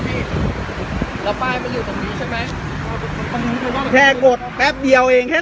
พี่แล้วป้ายมันอยู่ตรงนี้ใช่ไหมแค่กดแป๊บเดียวเองแค่